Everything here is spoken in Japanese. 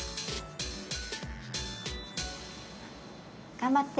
頑張って！